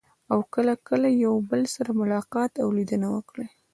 او کله کله یو بل سره ملاقات او لیدنه وکړي.